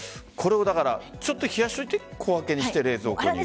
ちょっと冷やしといて小分けにして冷蔵庫に入れる。